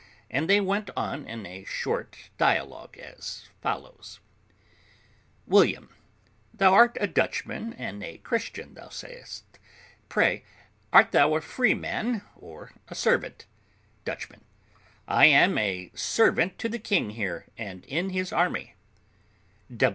And so they went on, in a short dialogue, as follows: William. Thou art a Dutchman, and a Christian, thou sayest; pray, art thou a freeman or a servant? Dutchman. I am a servant to the king here, and in his army.